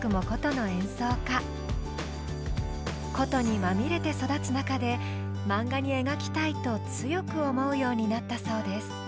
箏にまみれて育つ中でマンガに描きたいと強く思うようになったそうです。